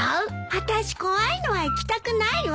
あたし怖いのは行きたくないわ。